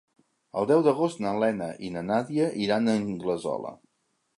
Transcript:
El deu d'agost na Lena i na Nàdia iran a Anglesola.